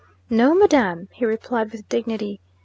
"No, madam!" he replied with dignity.